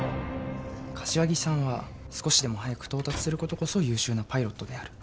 柏木さんは少しでも早く到達することこそ優秀なパイロットである。